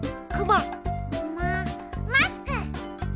ママスク！